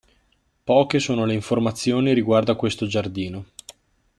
Poche sono le informazioni riguardo a questo giardino.